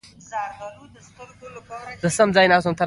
په خپل نامه یې خطبې ویلو امر کړی.